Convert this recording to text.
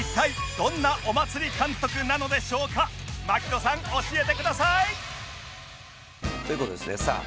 槙野さん教えてください！という事でですねさあ。